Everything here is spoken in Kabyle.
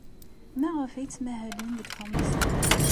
Maɣef ay ttmahalen deg teṛmist-a?